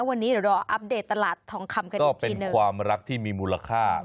วันนี้เดี๋ยวออกอัปเดตตลาดทองคำกระดิษฐ์กินเป็นข้อรักที่มีมูลค่าอ่อ